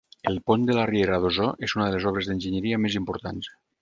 El pont de la riera d'Osor és una de les obres d'enginyeria més importants.